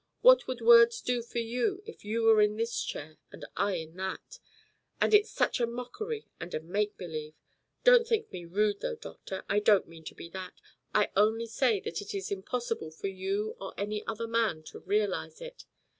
What would words do for you if you were in this chair and I in that? Ah, it's such a mockery and a make believe! Don't think me rude, though, doctor. I don't mean to be that. I only say that it is impossible for you or any other man to realise it.